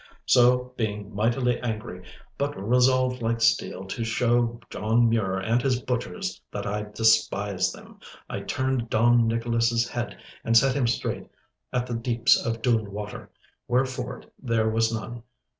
So being mightily angry, but resolved like steel to show John Mure and his butchers that I despised them, I turned Dom Nicholas's head and set him straight at the deeps of Doon Water, where ford there was none.